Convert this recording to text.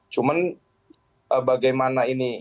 cuman bagaimana ini